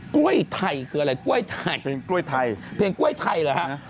กล้วยไทยคืออะไรกล้วยทายเพลงกล้วยไทยเหรอนะคะ